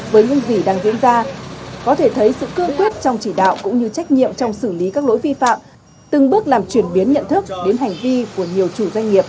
với những gì đang diễn ra có thể thấy sự cương quyết trong chỉ đạo cũng như trách nhiệm trong xử lý các lỗi vi phạm từng bước làm chuyển biến nhận thức đến hành vi của nhiều chủ doanh nghiệp